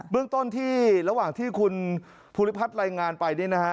เรื่องต้นที่ระหว่างที่คุณภูริพัฒน์รายงานไปนี่นะฮะ